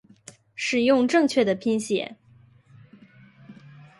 使用正确的拼写